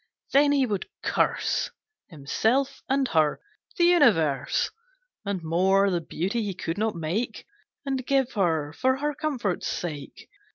Then he would curse Himself and her! The Universe! And more, the beauty he could not make, And give her, for her comfort's sake!